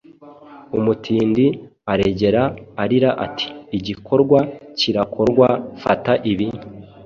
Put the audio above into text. Umutindi aregera, arira ati: `Igikorwa kirakorwa; Fata ibi,